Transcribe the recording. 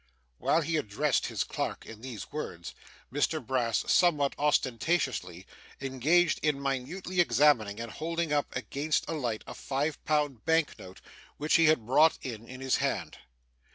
While he addressed his clerk in these words, Mr Brass was, somewhat ostentatiously, engaged in minutely examining and holding up against the light a five pound bank note, which he had brought in, in his hand.